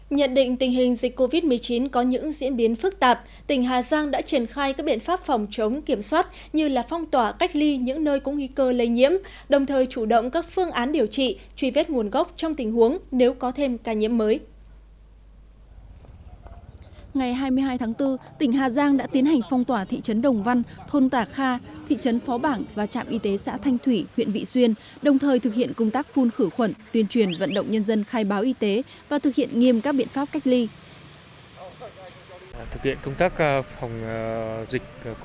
nhận định tình hình dịch covid một mươi chín có những diễn biến phức tạp tỉnh hà giang đã triển khai các biện pháp phòng chống kiểm soát như phong tỏa cách ly những nơi có nguy cơ lây nhiễm đồng thời chủ động các phương án điều trị truy vết nguồn gốc trong tình huống nếu có thêm ca nhiễm mới